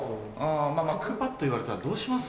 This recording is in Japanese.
クックパッド言われたらどうします？